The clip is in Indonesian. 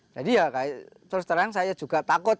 jadi ya terus terang saya juga takut